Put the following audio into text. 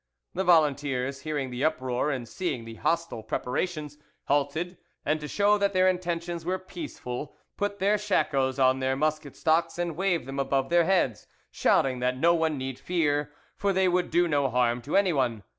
The volunteers, hearing the uproar and seeing the hostile preparations, halted, and to show that their intentions were peaceful, put their shakos on their musket stocks and waved them above their heads, shouting that no one need fear, for they would do no harm to anyone.